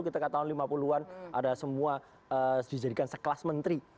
kita ke tahun lima puluh an ada semua dijadikan sekelas menteri